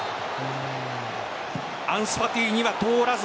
アンスファティには通らず。